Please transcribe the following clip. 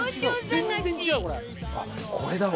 あっこれだわ。